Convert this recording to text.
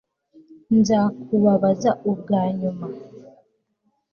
Nzakubaza ubwa nyuma